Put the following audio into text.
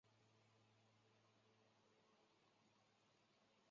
沃穆瓦斯。